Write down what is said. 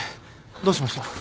どうしました？